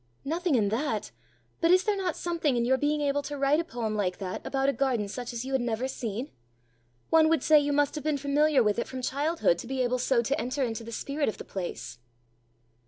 "Nothing in that. But is there not something in your being able to write a poem like that about a garden such as you had never seen? One would say you must have been familiar with it from childhood to be able so to enter into the spirit of the place!"